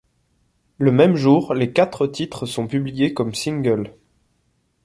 Le même jour, les quatre titres sont publiés comme singles.